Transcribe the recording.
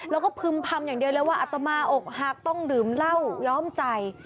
แล้วก็พึ่มพำอย่างเดียวเลยว่าอัตมาอกหักต้องดื่มเหล้าย้อมใจ